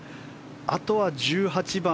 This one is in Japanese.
あとは１８番。